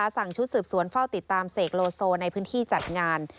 สั่งชุดสืบสวนเฝ้าติดตามเสกโลโซในพื้นที่จัดงาน